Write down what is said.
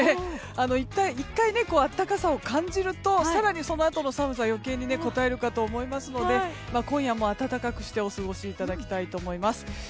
１回、暖かさを感じると更にそのあとの寒さが余計にこたえると思いますので今夜も暖かくしてお過ごしいただきたいと思います。